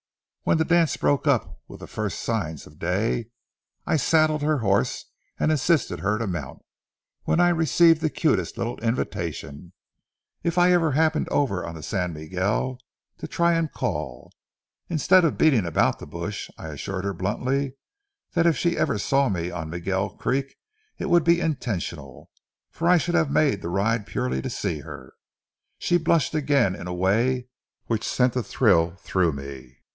When the dance broke up with the first signs of day, I saddled her horse and assisted her to mount, when I received the cutest little invitation, 'if ever I happened over on the Sau Miguel, to try and call.' Instead of beating about the bush, I assured her bluntly that if she ever saw me on Miguel Creek, it would be intentional; for I should have made the ride purely to see her. She blushed again in a way which sent a thrill through me.